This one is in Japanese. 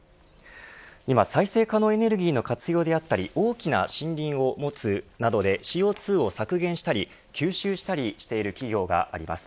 今、再生可能エネルギーの活用であったり大きな森林を持つなどでＣＯ２を削減したり吸収したりしている企業があります。